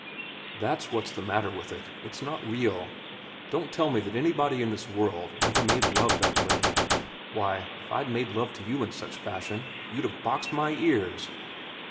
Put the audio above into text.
That's what's the matter with it. It's not real. Don't tell me that anybody in this world ever made love that way. Why, if I'd made love to you in such fashion, you'd have boxed my ears."